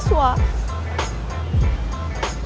sudah lapor polisi